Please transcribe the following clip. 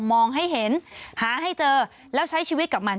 มองให้เห็นหาให้เจอแล้วใช้ชีวิตกับมัน